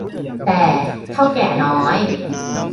แต่ เถ้าแก่น้อย